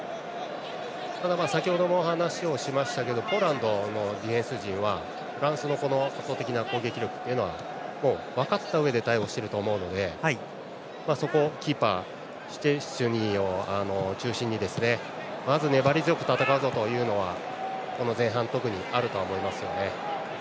ただ先程も話しましたがポーランドのディフェンス陣はフランスの圧倒的な攻撃力というのは分かったうえで対応していると思うのでキーパーのシュチェスニーを中心にまず粘り強く戦うというのはこの前半、特にあると思います。